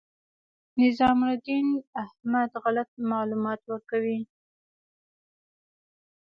نظام الدین احمد غلط معلومات ورکوي.